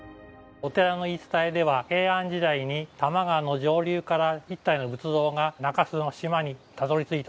お寺の言い伝えでは平安時代に多摩川の上流から１体の仏像が中州の島にたどり着いたといいます。